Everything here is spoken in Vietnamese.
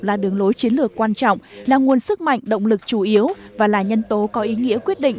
là đường lối chiến lược quan trọng là nguồn sức mạnh động lực chủ yếu và là nhân tố có ý nghĩa quyết định